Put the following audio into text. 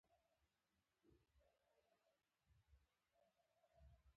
هغه د سفر پر څنډه ساکت ولاړ او فکر وکړ.